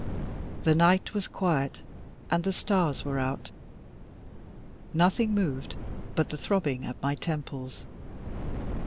The night was quiet, and the stars were out. Nothing moved but the throbbing at my temples.